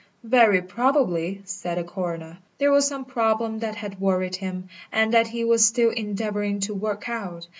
"Very probably," said the coroner, "there was some problem that had worried him, and that he was still endeavouring to work out.